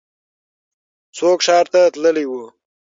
څوک ښار ته تللی و؟